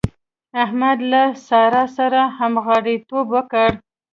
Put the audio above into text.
احمد له سارا سره همغاړيتوب وکړ.